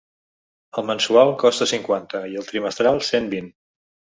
El mensual costa cinquanta i el trimestral cent vint.